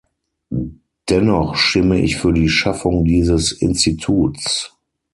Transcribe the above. Dennoch stimme ich für die Schaffung dieses Instituts.